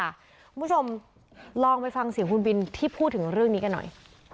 คุณผู้ชมลองไปฟังเสียงคุณบินที่พูดถึงเรื่องนี้กันหน่อย